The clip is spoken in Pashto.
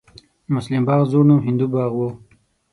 مسلم باغ زوړ نوم هندو باغ و